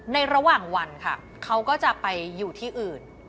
ในระหว่างวันค่ะเขาก็จะไปอยู่ที่อื่น